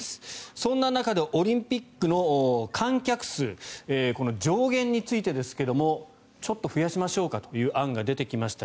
そんな中でオリンピックの観客数この上限についてですけどちょっと増やしましょうかという案が出てきました。